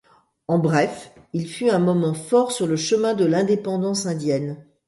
En bref, il fut un moment fort sur le chemin de l'indépendance indienne.